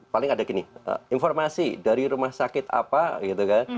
paling ada gini informasi dari rumah sakit apa gitu kan